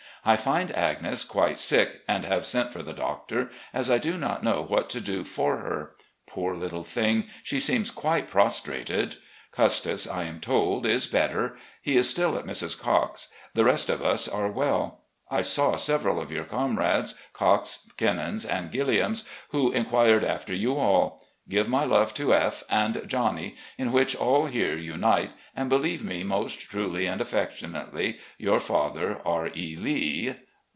I find Agnes quite sick, and have sent for the doctor, as I do not know what to do for her. Poor little thing ! she seems quite prostrated. Custis, I am told, is better. He is still at Mrs. Cocke's. The rest of us are well. I saw several of your comr^es, Cockes, Kennons and Gilliams, who inquired after you all. Give my love to F. and Johnny, in which all here unite, and believe me most truly and affectionately " Your father, R. E. Lee.